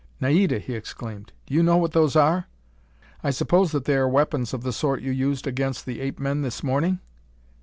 "Naida," he exclaimed, "do you know what those are?" "I suppose that they are weapons of the sort you used against the ape men this morning?"